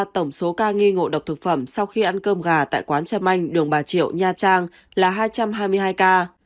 tổng số ca nghi ngộ độc thực phẩm sau khi ăn cơm gà tại quán trâm anh đường bà triệu nha trang là hai trăm hai mươi hai ca